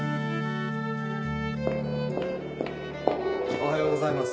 ・おはようございます。